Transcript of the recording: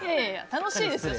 楽しいですよ